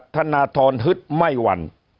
คุณธนาธรณ์ฮึดไม่วัน